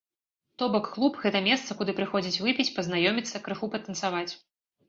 То бок, клуб, гэта месца, куды прыходзяць выпіць, пазнаёміцца, крыху патанцаваць.